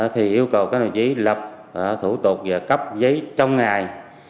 thì yêu cầu các đồng chí lập thủ tục và cấp giấy trong ngày